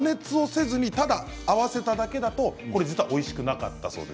逆に加熱をせずにただ合わせただけだと実はおいしくなかったそうです。